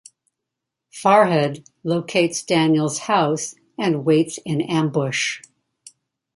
Farhad locates Daniel's house and waits in ambush.